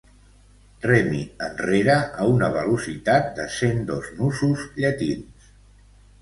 Remi enrere a una velocitat de cent dos nusos llatins.